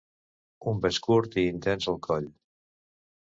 Un bes curt i intens al coll.